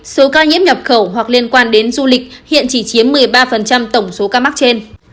số ca nhiễm nhập khẩu hoặc liên quan đến du lịch hiện chỉ chiếm một mươi ba tổng số ca mắc trên